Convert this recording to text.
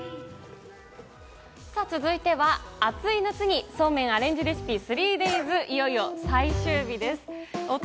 続いては、暑い夏にそうめんアレンジレシピ３ＤＡＹＳ、いよいよ最終日です。